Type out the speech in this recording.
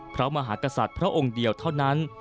พระมหากษัตริย์พระองค์เดียวเท่านั้น